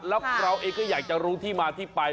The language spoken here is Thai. แล้วเราเองก็อยากจะรู้ที่มาที่ไป